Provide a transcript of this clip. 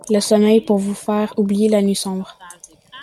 Le sommeil pour vous faire oublier la nuit sombre